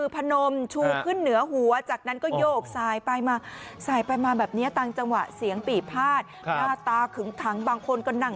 เป็นการไข้รำตาจังหวัดของบางคน